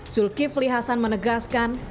zulkifli hasan menegaskan